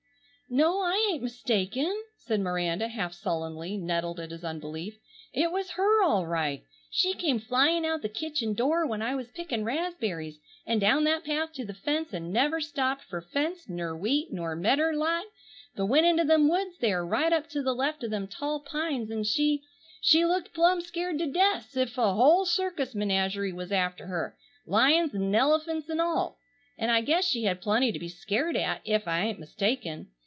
"No, I ain't mistaken," said Miranda half sullenly, nettled at his unbelief. "It was her all right. She came flyin' out the kitchen door when I was picking raspberries, and down that path to the fence, and never stopped fer fence ner wheat, ner medder lot, but went into them woods there, right up to the left of them tall pines, and she,—she looked plum scared to death 's if a whole circus menagerie was after her, lions and 'nelefunts an' all. An' I guess she had plenty to be scared at ef I ain't mistaken.